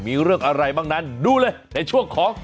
มีเรื่องอะไรบ้างนั้นดูเลยในช่วงของ